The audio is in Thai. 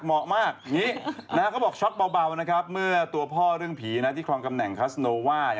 เหมาะมากอย่างนี้เขาบอกช็อตเบานะครับเมื่อตัวพ่อเรื่องผีที่คลองกำแหนคัสโนว่า